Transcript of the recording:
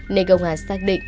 nên công an xác định